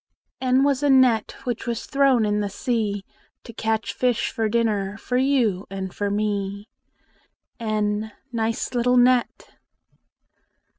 N was a net Which was thrown in the sea To catch fish for dinner For you and for me. n Nice little net!